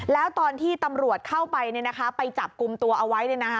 แล้วตอนที่ตำรวจเข้าไปไปจับกลุ่มตัวเอาไว้